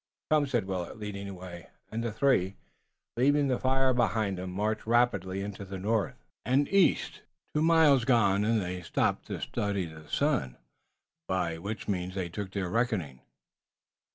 "Come," said Willet, leading the way, and the three, leaving the fire behind them, marched rapidly into the north and east. Two miles gone, and they stopped to study the sun, by which they meant to take their reckoning.